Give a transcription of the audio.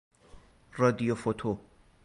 رادیوفوتو